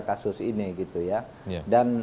kasus ini gitu ya dan